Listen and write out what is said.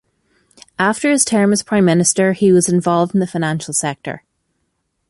After his term as prime minister he was involved in the financial sector.